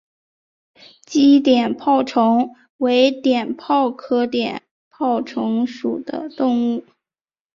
鲫碘泡虫为碘泡科碘泡虫属的动物。